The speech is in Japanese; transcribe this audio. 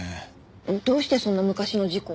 どうしてそんな昔の事故を？